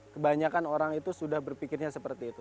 kebanyakan orang itu sudah berpikirnya seperti itu